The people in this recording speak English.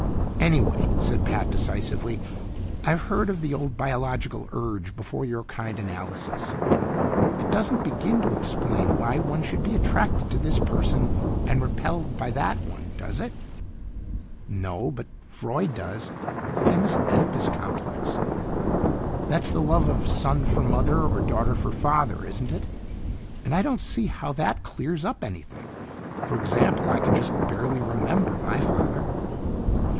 "Anyway," said Pat decisively, "I've heard of the old biological urge before your kind analysis. It doesn't begin to explain why one should be attracted to this person and repelled by that one. Does it?" "No, but Freud does. The famous Oedipus Complex." "That's the love of son for mother, or daughter for father, isn't it? And I don't see how that clears up anything; for example, I can just barely remember my father."